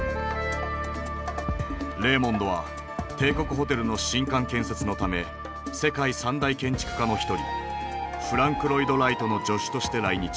レーモンドは帝国ホテルの新館建設のため世界三大建築家の一人フランク・ロイド・ライトの助手として来日。